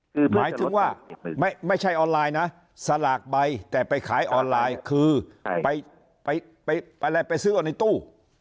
คือหมายถึงว่าไม่ใช่ออนไลน์นะสลากใบแต่ไปขายออนไลน์คือไปซื้อเอาในตู้